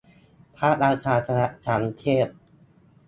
พระราชาคณะชั้นเทพ